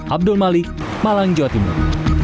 abdul malik malang jawa timur